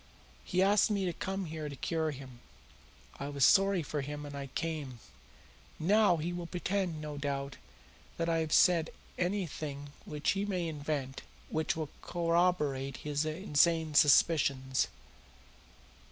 He asked me to come here to cure him. I was sorry for him and I came. Now he will pretend, no doubt, that I have said anything which he may invent which will corroborate his insane suspicions.